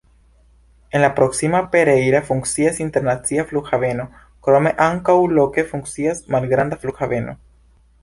En la proksima Pereira funkcias internacia flughaveno, krome ankaŭ loke funkcias malgranda flughaveno.